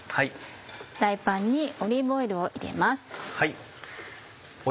フライパンにオリーブオイルを入れます。